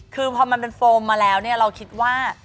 คือพอมันเป็นโฟมมาแล้วเนี่ยเราคิดว่า